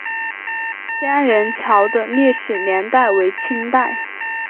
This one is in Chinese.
仙人桥的历史年代为清代。